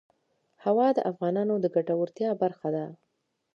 هوا د افغانانو د ګټورتیا برخه ده.